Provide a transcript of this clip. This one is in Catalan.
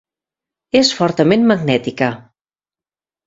És fortament magnètica.